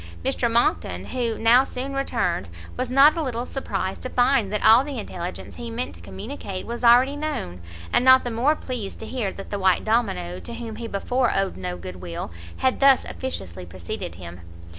Mr Monckton, who now soon returned, was not a little surprised to find that all the intelligence he meant to communicate was already known: and not the more pleased to hear that the white domino, to whom before he owed no good will, had thus officiously preceded him.